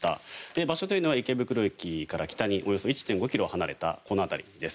場所というのは池袋駅から北におよそ１．５ｋｍ離れたこの辺りです。